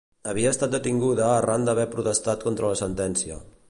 Havia estat detinguda arran d'haver protestat contra la sentència.